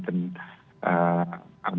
mereka menyatakan bahwa mereka tidak mengkritik